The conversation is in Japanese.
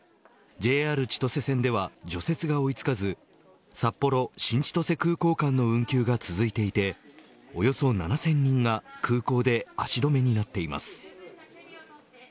ＪＲ千歳線では除雪が追いつかず札幌、新千歳空港間の運休が続いていておよそ７０００人が空港で足止めになっています。